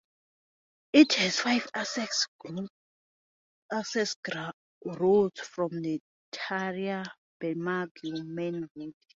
It has five access roads from the Tathra-Bermagui main road.